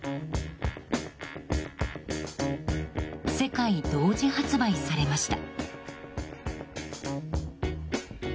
世界同時発売されました。